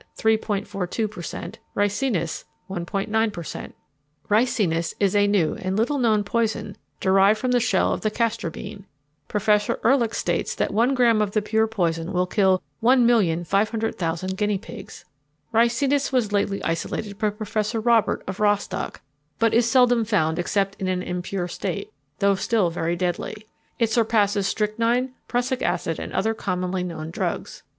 42 "" Ricinus 1.19 "" "Ricinus is a new and little known poison derived from the shell of the castor oil bean. Professor Ehrlich states that one gram of the pure poison will kill 1,500,000 guinea pigs. Ricinus was lately isolated by Professor Robert, of Rostock, but is seldom found except in an impure state, though still very deadly. It surpasses strychnine, prussic acid, and other commonly known drugs.